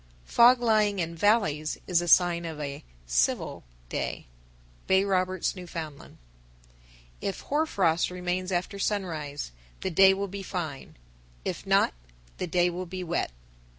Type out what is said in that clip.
_ 972. Fog lying in valleys is a sign of a "civil" day. Bay Roberts, N.F. 973. If hoar frost remains after sunrise, the day will be fine; if not, the day will be wet.